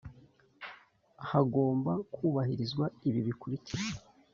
hagomba kubahirizwa ibi bikurikira